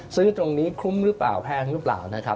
ซื้อตรงนี้คุ้มหรือเปล่าแพงหรือเปล่านะครับ